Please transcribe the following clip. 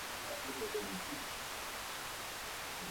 La pelea consta de dos fases.